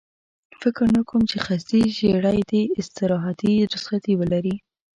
فکر نه کوم چې قصدي ژېړی دې استراحتي رخصتي ولري.